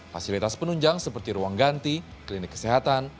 fasilitas penunjang seperti ruang ganti klinik kesehatan